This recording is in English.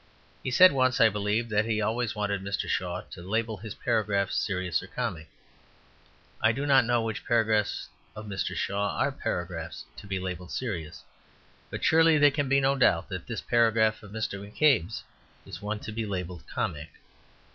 He said once, I believe, that he always wanted Mr. Shaw to label his paragraphs serious or comic. I do not know which paragraphs of Mr. Shaw are paragraphs to be labelled serious; but surely there can be no doubt that this paragraph of Mr. McCabe's is one to be labelled comic.